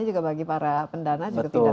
juga bagi para pendana juga tidak